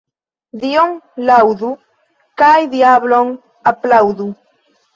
Dion laŭdu kaj diablon aplaŭdu.